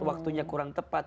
waktunya kurang tepat